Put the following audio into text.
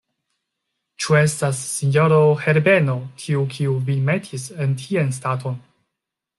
Ĉu estas sinjoro Herbeno tiu, kiu vin metis en tian staton?